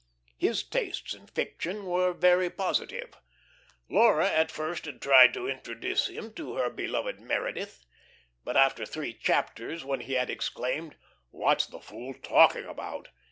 His tastes in fiction were very positive. Laura at first had tried to introduce him to her beloved Meredith. But after three chapters, when he had exclaimed, "What's the fool talking about?"